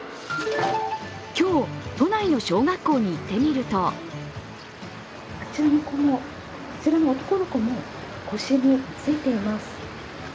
今日、都内の小学校に行ってみるとあちらの子も、こちらの男の子も腰についています。